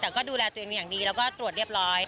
แต่ก็ดูแลตัวเองอย่างดีแล้วก็ตรวจเรียบร้อย